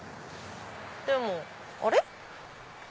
でもあれ？